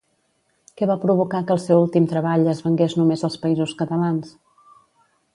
Què va provocar que el seu últim treball es vengués només als Països Catalans?